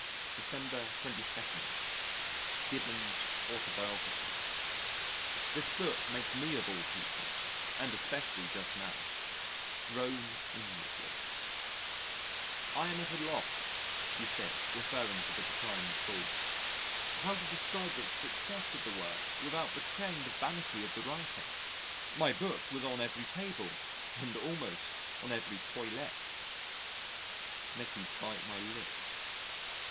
December 22. Gibbon's Autobiography This book makes me of all people (and especially just now) groan inwardly. "I am at a loss," he says, referring to the Decline and Fall, "how to describe the success of the work without betraying the vanity of the writer.... My book was on every table and almost on every toilette." It makes me bite my lips.